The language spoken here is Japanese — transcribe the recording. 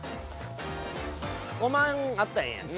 ５万あったらええんやんね。